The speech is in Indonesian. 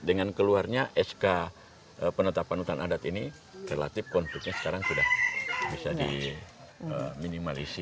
dengan keluarnya sk penetapan hutan adat ini relatif konfliknya sekarang sudah bisa diminimalisir